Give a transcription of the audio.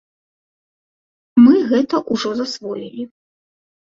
Мы гэта ўжо засвоілі.